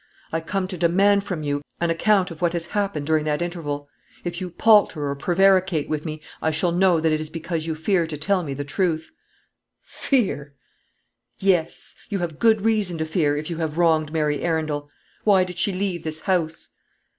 I come to demand from you an account of what has happened during that interval. If you palter or prevaricate with me, I shall know that it is because you fear to tell me the truth." "Fear!" "Yes; you have good reason to fear, if you have wronged Mary Arundel. Why did she leave this house?"